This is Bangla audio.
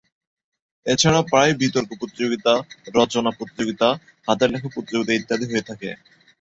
এ ছাড়া প্রায়ই বিতর্ক প্রতিযোগিতা, রচনা প্রতিযোগিতা, হাতের লেখা প্রতিযোগিতা ইত্যাদি হয়ে থাকে।